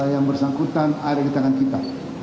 yang bersangkutan ada di tangan kita